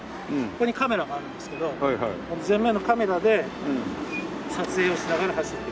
ここにカメラがあるんですけどこの前面のカメラで撮影をしながら走ってる。